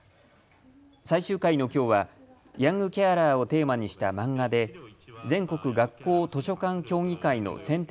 最終回のきょうはヤングケアラーをテーマにした漫画で全国学校図書館協議会の選定